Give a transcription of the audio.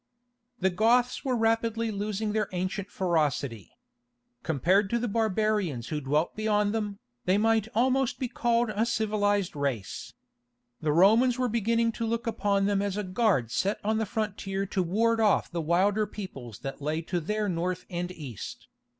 The Goths were rapidly losing their ancient ferocity. Compared to the barbarians who dwelt beyond them, they might almost be called a civilized race. The Romans were beginning to look upon them as a guard set on the frontier to ward off the wilder peoples that lay to their north and east.